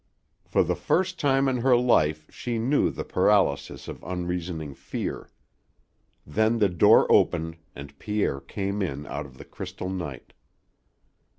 For the first time in her life she knew the paralysis of unreasoning fear. Then the door opened and Pierre came in out of the crystal night.